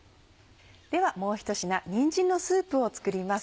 ではもう一品にんじんのスープを作ります。